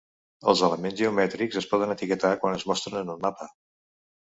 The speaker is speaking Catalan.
Els elements geomètrics es poden etiquetar quan es mostren en un mapa.